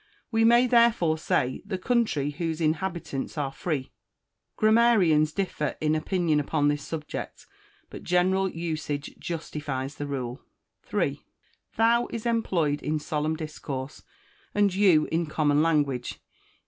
We may therefore say, "The country whose inhabitants are free." Grammarians differ in opinion upon this subject, but general usage justifies the rule. 3. Thou is employed in solemn discourse, and you in common language.